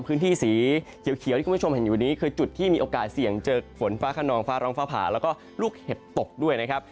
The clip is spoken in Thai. พื้นที่สีเขียวที่คุณผู้ชมเห็นอยู่นี้คือจุดที่มีโอกาสเสี่ยงเจอฝนฟ้าขนองฟ้าร้องฟ้าผ่าแล้วก็ลูกเห็บตกด้วยนะครับ